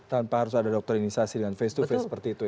tanpa harus ada doktrinisasi dengan face to face seperti itu